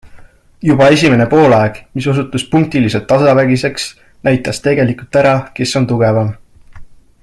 Juba esimene poolaeg, mis osutus punktiliselt tasavägiseks, näitas tegelikult ära, kes on tugevam.